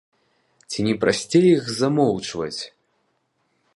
Ці не прасцей іх замоўчваць?